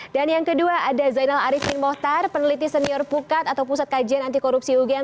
dan yang kedua ada zainal arifin mohtar peneliti senior pukat atau pusat kajian anti korupsi ugm